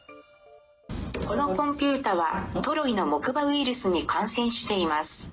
このコンピューターはトロイの木馬ウイルスに感染しています。